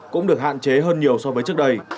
cũng được hạn chế hơn nhiều so với trước đây